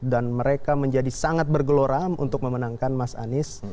dan mereka menjadi sangat bergelora untuk memenangkan mas anies dan bang sandi